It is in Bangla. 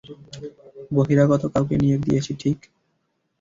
বহিরাগত কাউকে নিয়োগ দিয়েছি, ঠিক?